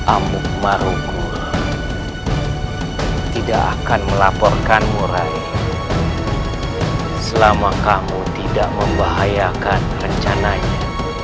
amuk maruku tidak akan melaporkanmu rai selama kamu tidak membahayakan rencananya